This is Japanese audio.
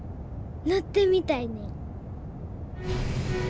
乗ってみたいねん。